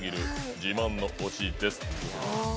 自慢の推しです。